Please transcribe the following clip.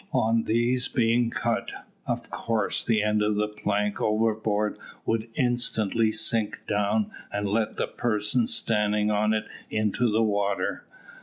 On these being cut, of course the end of the plank overboard would instantly sink down and let the person standing on it into the water.